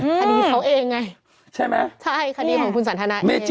คดีเขาเองไง